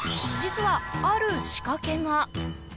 実は、ある仕掛けが。